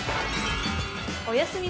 おやすみ